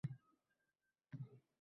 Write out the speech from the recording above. Bilamanki, o’qiysan kitob